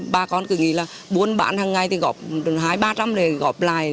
bà con cứ nghĩ là buôn bán hàng ngày thì góp hai trăm linh ba trăm linh để góp lại